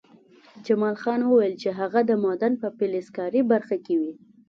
جمال خان وویل چې هغه د معدن په فلزکاري برخه کې وي